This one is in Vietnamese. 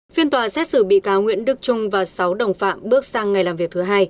phiên tòa xét xử bị cáo nguyễn đức trung và sáu đồng phạm bước sang ngày làm việc thứ hai